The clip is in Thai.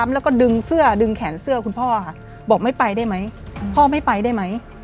แล้วก็ดึงเสื้อดึงแขนเสื้อคุณพ่อค่ะบอกไม่ไปได้ไหมพ่อไม่ไปได้ไหม